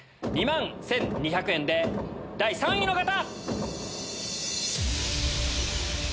２万１２００円で第３位の方！